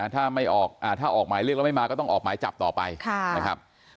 ถ้าออกหมายเรียกแล้วไม่มาก็ต้องออกหมายจับต่อไปนะครับ